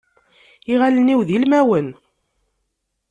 Iɣallen-iw d ilmawen.